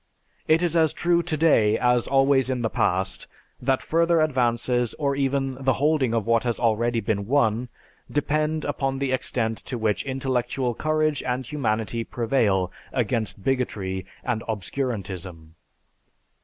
It is as true today as always in the past that further advances or even the holding of what has already been won, depend upon the extent to which intellectual courage and humanity prevail against bigotry and obscurantism."